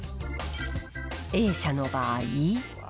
Ａ社の場合。